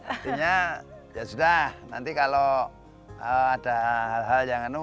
artinya ya sudah nanti kalau ada hal hal yang anu